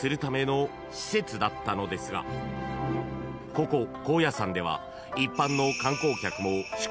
［ここ高野山では一般の］